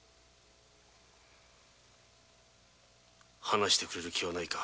話してくれる気はないか。